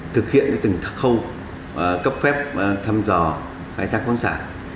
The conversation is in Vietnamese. thực hiện từng khâu cấp phép thăm dò hải thăng khoáng sản